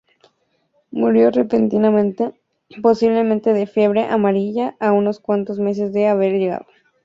Murió repentinamente, posiblemente de fiebre amarilla a unos cuantos meses de haber llegado.